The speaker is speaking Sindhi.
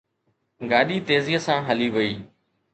گاڏي تيزيءَ سان هلي وئي